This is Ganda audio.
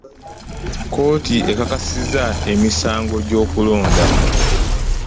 Kooti ekakasiza emisango gy'okulonda.